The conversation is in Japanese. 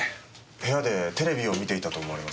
部屋でテレビを観ていたと思われます。